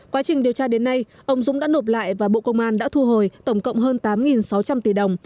quá trình điều tra đến nay ông dũng đã nộp lại và bộ công an đã thu hồi tổng cộng hơn tám sáu trăm linh tỷ đồng